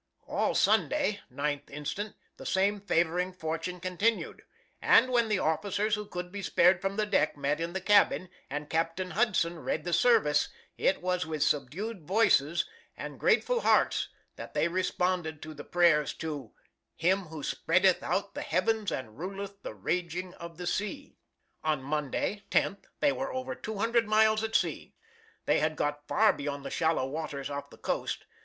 "All Sunday (9th inst.) the same favoring fortune continued; and when the officers who could be spared from the deck met in the cabin, and Captain Hudson read the service, it was with subdued voices and grateful hearts that they responded to the prayers to 'Him who spreadeth out the heavens and ruleth the raging of the sea.' "On Monday (10th) they were over two hundred miles at sea. They had got far beyond the shallow waters off the coast.